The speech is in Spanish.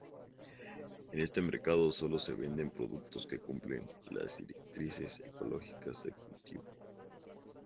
En este mercado sólo se venden productos que cumplen las directrices ecológicas de cultivo.